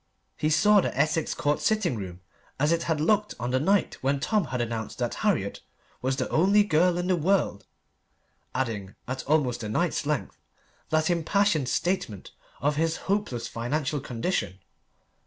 He saw the Essex Court sitting room as it had looked on the night when Tom had announced that Harriet was the only girl in the world adding, at almost a night's length, that impassioned statement of his hopeless, financial condition.